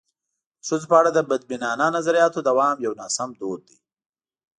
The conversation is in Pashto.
د ښځو په اړه د بدبینانه نظریاتو دوام یو ناسم دود دی.